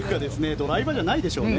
ドライバーじゃないでしょうね。